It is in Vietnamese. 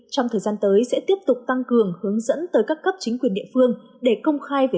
trong thời gian tới sẽ tiếp tục tăng cường hướng dẫn tới các cấp chính quyền địa phương để công khai về